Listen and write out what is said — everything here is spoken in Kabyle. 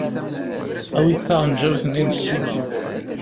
Awi-d taɣenǧawt-nni n ssima.